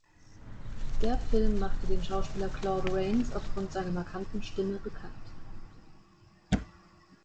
Der Film machte den Schauspieler Claude Rains aufgrund seiner markanten Stimme bekannt.